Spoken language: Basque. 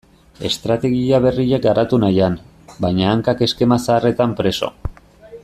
Estrategia berriak garatu nahian, baina hankak eskema zaharretan preso.